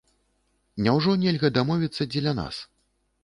Няўжо нельга дамовіцца дзеля нас?